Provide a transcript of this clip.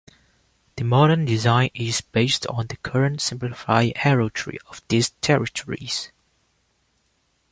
The modern design is based on the current simplified heraldry of these territories.